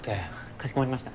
かしこまりました。